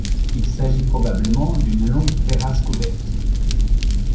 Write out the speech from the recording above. Il s'agit probablement d'une longue terrasse couverte.